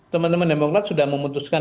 teman teman demokrat sudah memutuskan